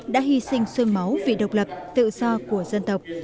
đã hy sinh sương máu vì độc lập tự do của dân tộc